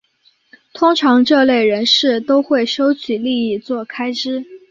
通常这类人士都会收取利益作开支。